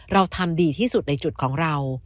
เราทำดีที่สุดในจุดของเรา